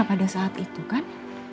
pada saat itu kan